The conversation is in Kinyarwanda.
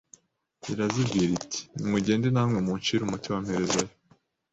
Irazibwira iti «nimugende na mwe muncire umuti wa mperezayo